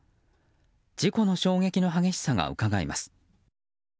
事故の衝撃の激しさがうかがえます。